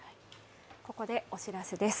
ここでお知らせです。